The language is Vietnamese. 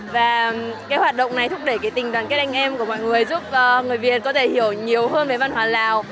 và cái hoạt động này thúc đẩy tình đoàn kết anh em của mọi người giúp người việt có thể hiểu nhiều hơn về văn hóa lào